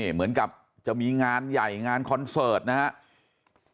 เหมือนกับจะมีงานใหญ่งานคอนเสิร์ตนะครับ